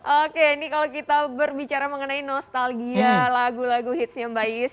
oke ini kalau kita berbicara mengenai nostalgia lagu lagu hitsnya mbak is